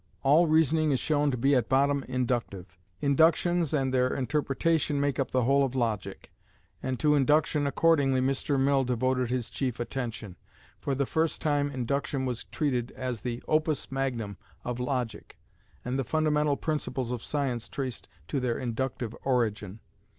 All reasoning is shown to be at bottom inductive. Inductions and their interpretation make up the whole of logic; and to induction accordingly Mr. Mill devoted his chief attention. For the first time induction was treated as the opus magnum of logic, and the fundamental principles of science traced to their inductive origin.